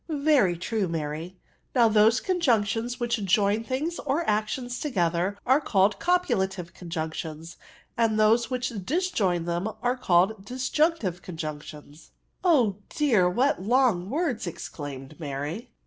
*' Very true, Mary, Now those conjunc tions which join things or actions together are called copulative conjunctions ; and those which disjoin them are called disjunctive conjunctions^^* tONJUNCTIONS. 99 u Oh dear^ what long words!*' exclajmed Mary.